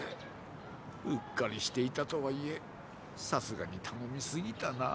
うっかりしていたとはいえさすがにたのみすぎたなあ。